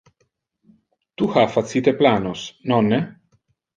Tu ha facite planos, nonne?